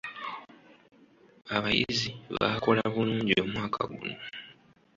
Abayizi baakola bulungi omwaka guno.